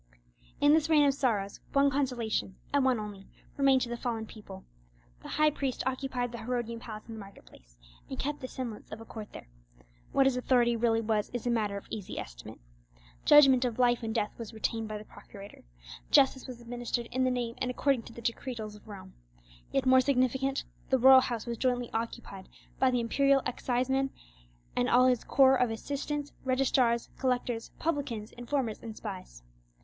In this rain of sorrows, one consolation, and one only, remained to the fallen people: the high priest occupied the Herodian palace in the market place, and kept the semblance of a court there. What his authority really was is a matter of easy estimate. Judgment of life and death was retained by the procurator. Justice was administered in the name and according to the decretals of Rome. Yet more significant, the royal house was jointly occupied by the imperial exciseman, and all his corps of assistants, registrars, collectors, publicans, informers, and spies.